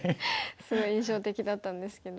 すごい印象的だったんですけど。